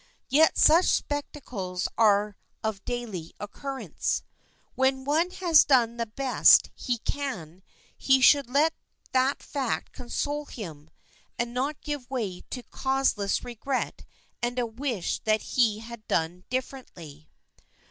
Yet such spectacles are of daily occurrence. When one has done the best he can, he should let that fact console him, and not give way to causeless regret and a wish that he had done differently.